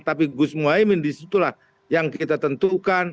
tapi gus muhaymin disitulah yang kita tentukan